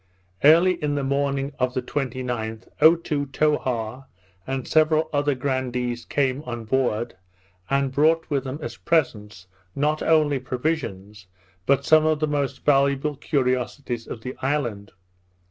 Early in the morning of the 29th, Otoo, Towha, and several other grandees, came on board, and brought with them as presents, not only provisions, but some of the most valuable curiosities of the island.